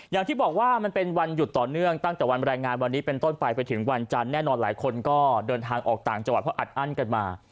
อย่างที่บอกว่ามันเป็นวันหยุดต่อเนื่องตั้งแต่วันแรงงานวันนี้เป็นต้นไปไปถึงวันจันทร์แน่นอนหลายคนก็เดินทางออกต่างจังหวัดเพราะอัดอั้นกันมา